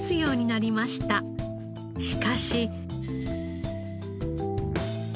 しかし。